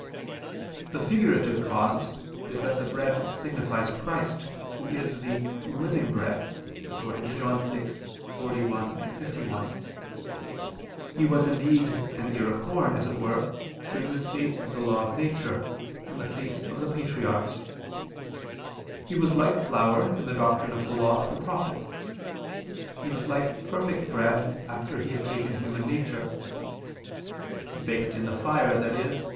The figurative cause is that the bread signifies Christ Who is the "living bread" (John 6:41, 51). He was indeed an ear of corn, as it were, during the state of the law of nature, in the faith of the patriarchs; He was like flour in the doctrine of the Law of the prophets; and He was like perfect bread after He had taken human nature; baked in the fire, i.e.